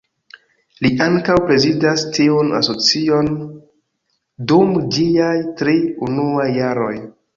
Li ankaŭ prezidas tiun asocion dum ĝiaj tri unuaj jaroj.